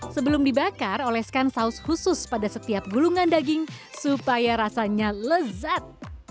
sebelum dibakar oleskan saus khusus pada setiap gulungan daging supaya rasanya lezat